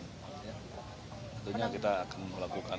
tentunya kita akan melakukan